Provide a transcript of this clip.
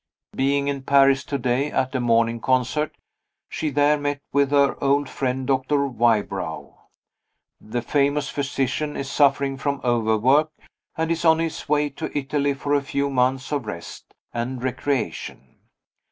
Being in Paris to day, at a morning concert, she there met with her old friend, Doctor Wybrow. The famous physician is suffering from overwork, and is on his way to Italy for a few months of rest and recreation.